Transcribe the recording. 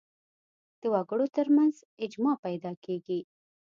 د وګړو تر منځ اجماع پیدا کېږي